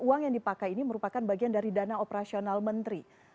uang yang dipakai ini merupakan bagian dari dana operasional menteri